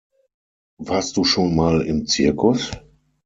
Warst du schon mal im Zirkus?